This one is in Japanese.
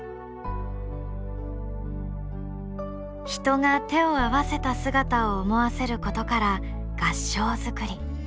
人が手を合わせた姿を思わせることから合掌造り。